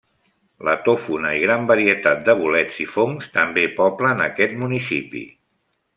La tòfona i gran varietat de bolets i fongs també poblen aquest municipi.